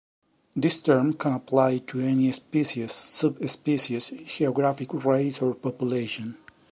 This term can apply to any species, subspecies, geographic race, or population.